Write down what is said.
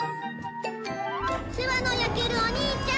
世話の焼けるお兄ちゃん。